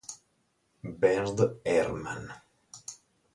Bernd Herrmann